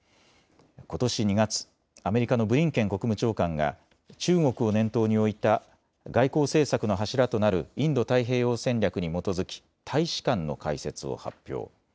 ことし２月、アメリカのブリンケン国務長官が中国を念頭に置いた外交政策の柱となるインド太平洋戦略に基づき大使館の開設を発表。